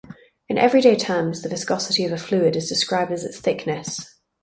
In everyday terms, the viscosity of a fluid is described as its "thickness".